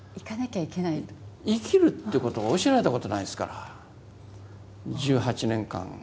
生きるっていうことを教えられたことないですから１８年間。